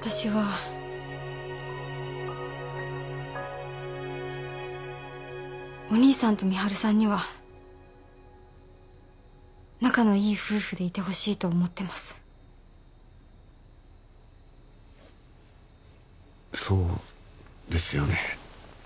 私はお義兄さんと美晴さんには仲のいい夫婦でいてほしいと思ってますそうですよね